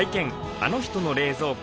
あの人の冷蔵庫